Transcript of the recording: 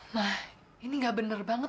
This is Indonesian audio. nah ini gak bener banget